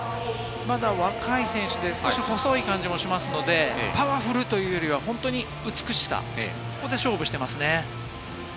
まだ若い選手で細い感じしますけれども、パワフルというよりかは、本当に美しさで勝負していますね。